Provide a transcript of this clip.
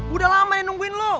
udah lama nih nungguin loh